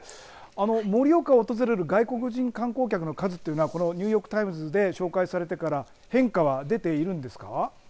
盛岡を訪れる外国人観光客の数っていうのはニューヨーク・タイムズで紹介されてから変化は出ているんですか。